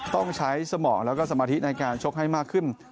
ต้องใช้สมองแล้วก็สมาธิในการชกให้มากขึ้น